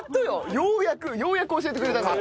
ようやくようやく教えてくれたんだから。